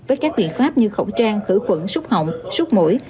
với các biện pháp như khẩu trang khử khuẩn xúc hỏng sốt mũi